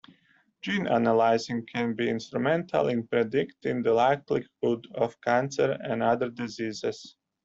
Gene analysis can be instrumental in predicting the likelihood of cancer and other diseases.